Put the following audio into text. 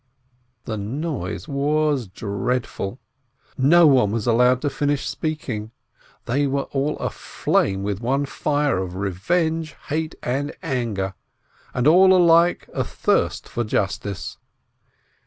The noise was dreadful. No one was allowed to finish speaking. They were all aflame with one fire of revenge, hate, and anger, and all alike athirst for justice.